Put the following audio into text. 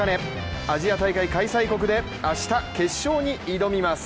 アジア大会開催国で明日決勝に挑みます。